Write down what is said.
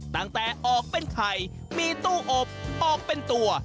ตั้งแต่ออกเป็นไข่มีตู้อบออกเป็นตัว